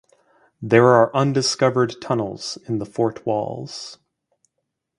There are undiscovered tunnels in the fort walls.